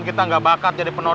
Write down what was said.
kita tuh tidak bisa thompson dua